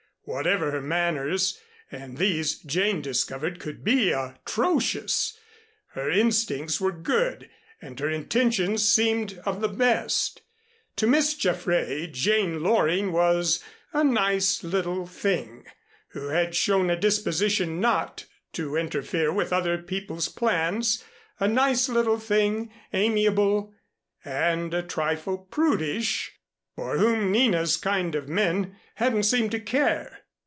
Whatever her manners, and these, Jane discovered, could be atrocious, her instincts were good, and her intentions seemed of the best. To Miss Jaffray, Jane Loring was 'a nice little thing' who had shown a disposition not to interfere with other people's plans, a nice little thing, amiable and a trifle prudish, for whom Nina's kind of men hadn't seemed to care.